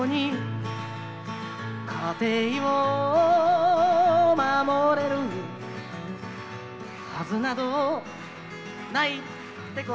「家庭を守れるはずなどないってことを」